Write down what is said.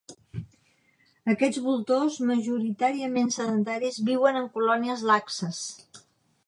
Aquests voltors, majoritàriament sedentaris, viuen en colònies laxes.